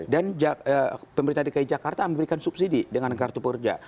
dan pemerintah dki jakarta memberikan subsidi dengan kartu pekerja